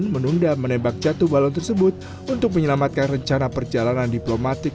mereka memutuskan tanpa memperlukan perang ke mana mana di lantai